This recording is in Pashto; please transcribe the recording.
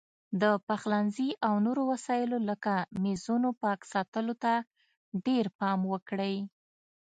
د پخلنځي او نورو وسایلو لکه میزونو پاک ساتلو ته ډېر پام وکړئ.